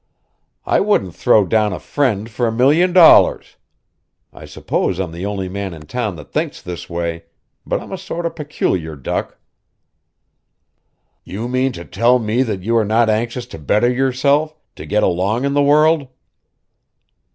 I wouldn't throw down a friend for a million dollars! I suppose I'm the only man in town that thinks this way, but I'm a sort of peculiar duck!" "You mean to tell me that you are not anxious to better yourself, to get along in the world?"